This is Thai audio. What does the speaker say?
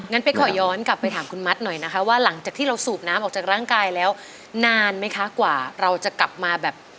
เป๊กขอย้อนกลับไปถามคุณมัดหน่อยนะคะว่าหลังจากที่เราสูบน้ำออกจากร่างกายแล้วนานไหมคะกว่าเราจะกลับมาแบบ